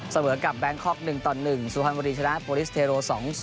เสมอกับแบงค์คอล์ก๑๑สุธรรมดีชนะโปรลิสเทโร่๒๐